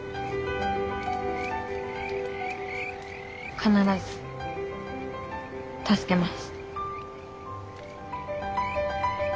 必ず助けます。